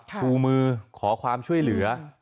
ชูมือขอความช่วยเหลือ